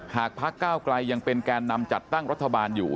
พักก้าวไกลยังเป็นแกนนำจัดตั้งรัฐบาลอยู่